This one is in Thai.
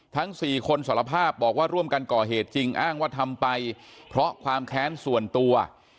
ทั้ง๔คนสารภาพบอกว่าร่วมกันก่อเหตุจริงอ้างว่าทำไปเพราะความแค้นส่วนตัว